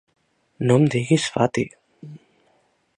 No em diguis Fati!